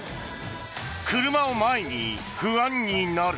車を前に不安になる。